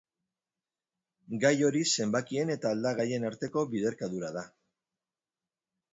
Gai hori zenbakien eta aldagaien arteko biderkadura da.